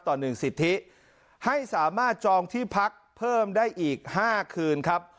ต่อ๑สิทธิให้สามารถจองที่พักเพิ่มได้อีก๕คืนครับ